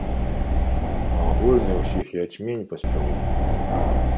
А агульны ўсіх ячмень паспяваў!